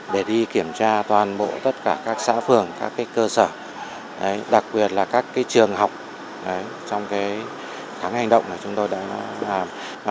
để đi kiểm tra toàn bộ tất cả các xã phường các cơ sở đặc biệt là các trường học trong tháng hành động chúng tôi đã làm